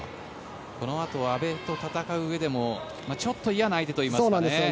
このあと阿部と戦ううえでもちょっと嫌な相手といいますかね。